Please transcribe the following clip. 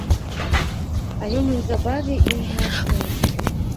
Але неўзабаве іх знайшлі.